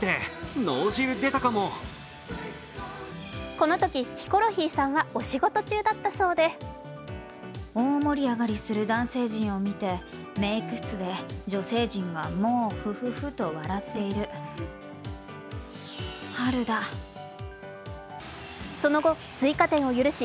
このときヒコロヒーさんはお仕事中だったそうでその後、追加点を許し